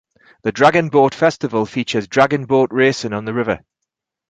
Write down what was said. The Dragon Boat Festival features dragon boat racing on the river.